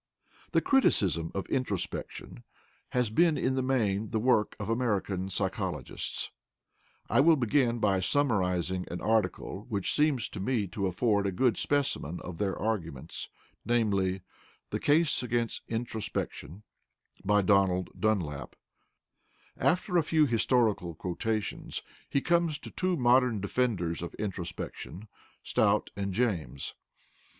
The criticism of introspection has been in the main the work of American psychologists. I will begin by summarizing an article which seems to me to afford a good specimen of their arguments, namely, "The Case against Introspection," by Knight Dunlap ("Psychological Review," vol xix, No. 5, pp. 404 413, September, 1912). After a few historical quotations, he comes to two modern defenders of introspection, Stout and James.